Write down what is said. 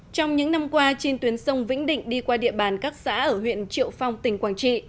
trong những năm qua trên tuyến sông vĩnh định đi qua địa bàn các xã ở huyện triệu phong tỉnh quảng trị